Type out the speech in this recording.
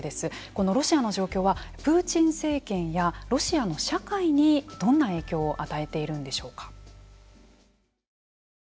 このロシアの状況はプーチン政権やロシアの社会にどんな影響を与えているんでしょうか。